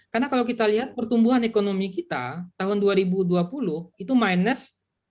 karena kalau kita lihat pertumbuhan ekonomi kita tahun dua ribu dua puluh itu minus dua tujuh